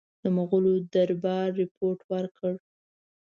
د مغولو دربار رپوټ ورکړ.